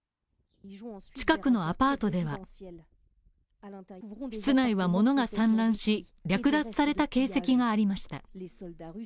近くのアパートでは、室内は物が散乱し、略奪された形跡がありました。